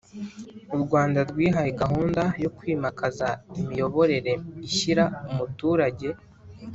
U Rwanda rwihaye gahunda yo kwimakaza imiyoborere ishyira umuturage